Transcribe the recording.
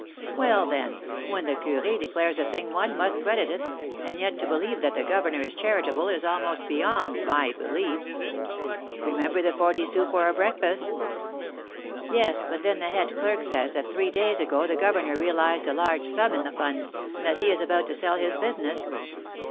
'" "Well, then, when the curé declares a thing one must credit it; and yet to believe that the governor is charitable is almost beyond my belief." "Remember the forty sous for our breakfast." "Yes, but then the head clerk says that three days ago the governor realised a large sum in the funds, and that he is about to sell his business."